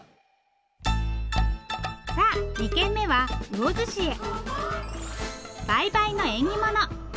さあ２軒目は魚津市へ。